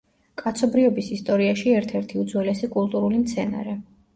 კაცობრიობის ისტორიაში ერთ-ერთი უძველესი კულტურული მცენარე.